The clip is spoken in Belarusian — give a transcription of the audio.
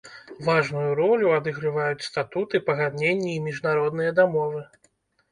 Важную ролю адыгрываюць статуты, пагадненні і міжнародныя дамовы.